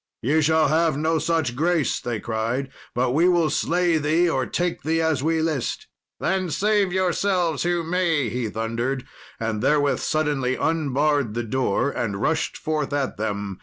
"Ye shall have no such grace," they cried; "but we will slay thee, or take thee as we list." "Then save yourselves who may," he thundered, and therewith suddenly unbarred the door and rushed forth at them.